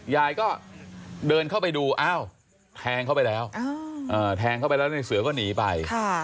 ยายก็เดินเข้าไปดูอ้าวแทงเข้าไปแล้วแทงเข้าไปแล้วในเสือก็หนีไป